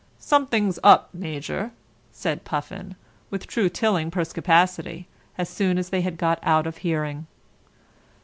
"Something's up, Major," said Puffin, with true Tilling perspicacity, as soon as they had got out of hearing.